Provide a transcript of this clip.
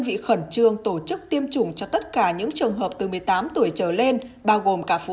vị khẩn trương tổ chức tiêm chủng cho tất cả những trường hợp từ một mươi tám tuổi trở lên bao gồm cả phụ